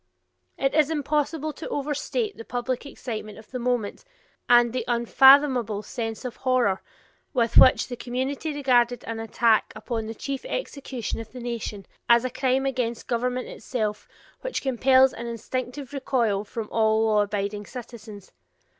It is impossible to overstate the public excitement of the moment and the unfathomable sense of horror with which the community regarded an attack upon the chief executive of the nation, as a crime against government itself which compels an instinctive recoil from all law abiding citizens.